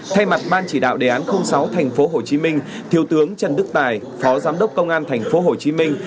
thay mặt ban chỉ đạo đề án sáu thành phố hồ chí minh thiếu tướng trần đức tài phó giám đốc công an thành phố hồ chí minh